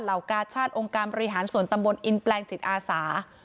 กาชาติองค์การบริหารส่วนตำบลอินแปลงจิตอาสา